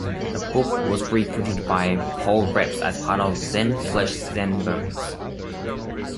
The book was reprinted by Paul Reps as part of "Zen Flesh, Zen Bones".